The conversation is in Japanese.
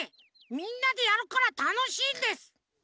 みんなでやるからたのしいんです！